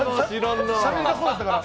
しゃべりたそうやったから。